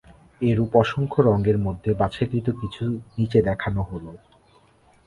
এরূপ অসংখ্য রঙের মধ্যে বাছাইকৃত কিছু নিচে দেখানো হলো।